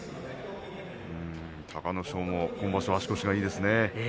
隆の勝も今場所は足腰いいですね。